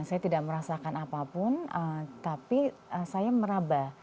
saya tidak merasakan apapun tapi saya meraba